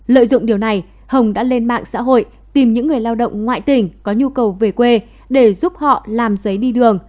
lợi dụng điều này hồng đã lên mạng xã hội tìm những người lao động ngoại tỉnh có nhu cầu về quê để giúp họ làm giấy đi đường